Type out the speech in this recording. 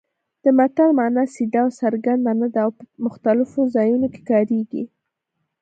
د متل مانا سیده او څرګنده نه ده او په مختلفو ځایونو کې کارېږي